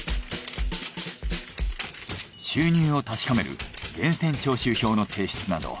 収入を確かめる源泉徴収票の提出など。